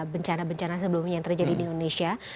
bencana bencana sebelumnya yang terjadi di indonesia